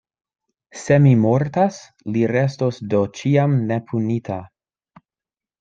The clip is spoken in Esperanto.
Se mi mortas, li restos do ĉiam nepunita.